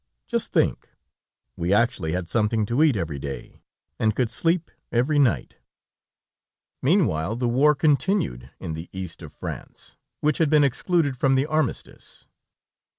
Just think. We actually had something to eat every day, and could sleep every night. Meanwhile, the war continued in the East of France, which had been excluded from the armistice.